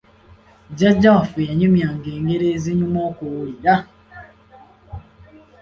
Jjajja waffe yanyumyanga engero ezinyuma okuwulira!